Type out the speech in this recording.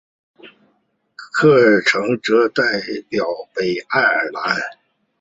科克城则代表北爱尔兰。